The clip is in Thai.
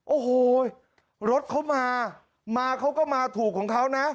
โอ้โหรถเขามามาเขาก็มาถูกของเขานะ